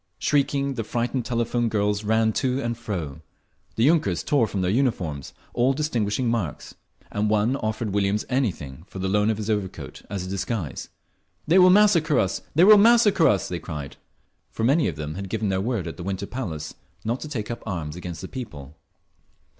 Shrieking, the frightened telephone girls ran to and fro; the yunkers tore from their uniforms all distinguishing marks, and one offered Williams anything for the loan of his overcoat, as a disguise…. "They will massacre us! They will massacre us!" they cried, for many of them had given their word at the Winter Palace not to take up arms against the People.